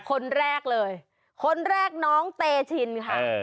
คนแรกเลยคนแรกน้องเตชินค่ะ